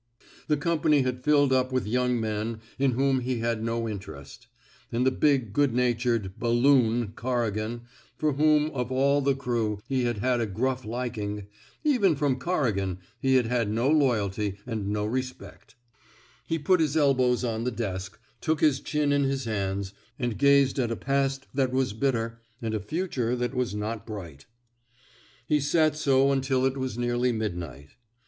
The company had filled up with young men in whom he had no interest; and the big, good natured Bal loon '^ Corrigan, for whom, of all the crew, he had had a gruff liking — even from Corrigan he had had no loyalty and no respect. 276 A PERSONALLY CONDUCTED REVOLT He put his elbows on the desk, took his chin in his hands, and gazed at a past thai was bitter and a future that was not bright. He sat so until it was neariy midnight.